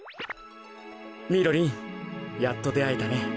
みろりんやっとであえたね。